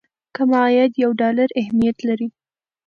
کم عاید یو ډالر اهميت لري.